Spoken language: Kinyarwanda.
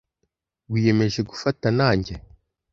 Wiyemeje gufata nanjye?